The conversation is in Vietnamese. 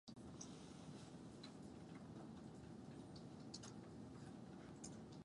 Lòng tốt để duy trì sự sống